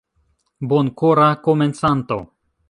Bonkora Komencanto.